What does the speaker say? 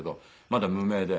まだ無名で。